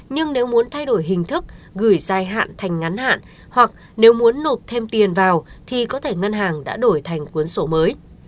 nhưng nếu muốn thay đổi hình thức gửi dài hạn thành ngắn hạn hoặc nếu muốn nộp thêm tiền vào thì có thể ngân hàng đã đổi thành cuốn sổ mới